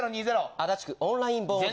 足立区オンライン盆踊り。